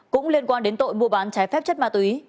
cũng liên quan đến tội mua bán trái phép chất ma túy